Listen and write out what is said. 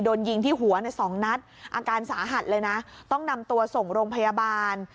โดนยิงที่หัวเนี่ยสองนัดอาการสาหัสเลยนะต้องนำตัวส่งโรงพยาบาล